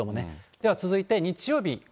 では続いて日曜日。